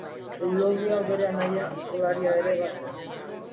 Eulogio bere anaia futbolaria ere bazen.